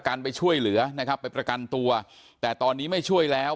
กันไปช่วยเหลือนะครับไปประกันตัวแต่ตอนนี้ไม่ช่วยแล้ว